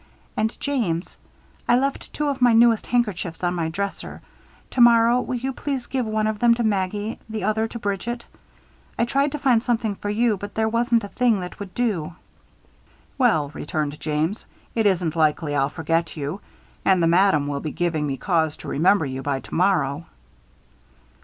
And, James. I left two of my newest handkerchiefs on my dresser. Tomorrow, will you please give one of them to Maggie, the other to Bridget? I tried to find something for you; but there wasn't a thing that would do." "Well," returned James, "it isn't likely I'll forget you, and the madam will be giving me cause to remember you by tomorrow."